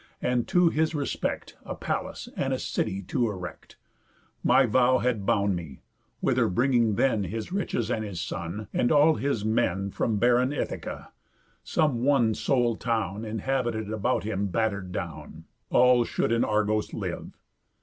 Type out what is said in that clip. And to his respect A palace and a city to erect, My vow had bound me; whither bringing then His riches, and his son, and all his men, From barren Ithaca, (some one sole town Inhabited about him batter'd down) All should in Argos live.